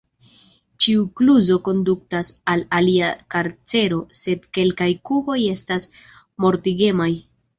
Ĉiu kluzo kondukas al alia karcero, sed kelkaj kuboj estas mortigemaj.